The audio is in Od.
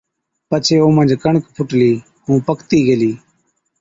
پڇي او منجھ ڪڻڪ ڦُٽلِي ائُون پڪتِي گيلِي۔